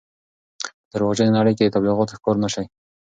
په درواغجنې نړۍ کې د تبلیغاتو ښکار نه شئ.